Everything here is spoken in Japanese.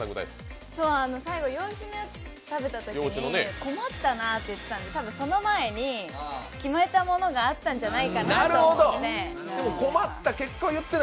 最後、洋酒の食べたときに困ったなと言ってたので、その前に決めたものがあったんじゃないかなと思って。